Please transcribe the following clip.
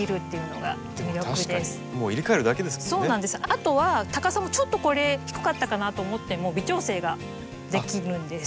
あとは高さもちょっとこれ低かったかなと思っても微調整ができるんです。